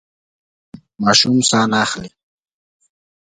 ماشوم ساه نه اخلي.